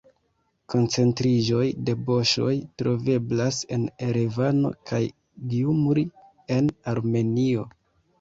Koncentriĝoj de boŝoj troveblas en Erevano kaj Gjumri en Armenio.